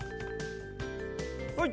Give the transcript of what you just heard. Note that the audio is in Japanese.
はい。